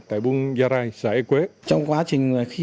tại bung gia rai xã hè quế